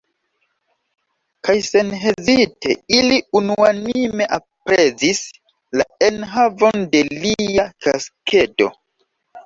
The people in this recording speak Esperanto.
Kaj senhezite, ili unuanime aprezis la enhavon de lia kaskedo.